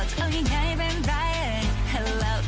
ครอบครัว